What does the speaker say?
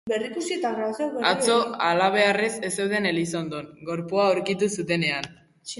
Atzo, halabeharrez, ez zeuden Elizondon, gorpua aurkitu zutenean.